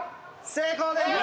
成功です！